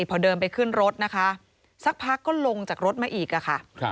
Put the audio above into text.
พอเดินไปขึ้นรถนะคะสักพักก็ลงจากรถมาอีกค่ะ